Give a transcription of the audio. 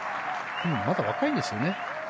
まだ若いんですよね。